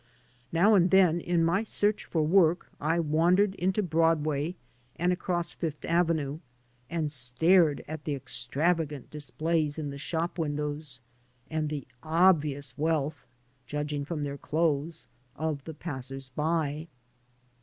Now and then in my search for work I wandered into Broadway and across Fifth Avenue, and stared at the extravagant displays in the shop windows and the obvious wealth (judging from their clothes) of the passers by.